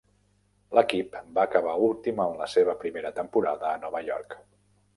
L'equip va acabar últim en la seva primera temporada a Nova York.